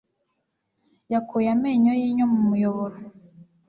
Yakuye amenyo yinyo mu muyoboro.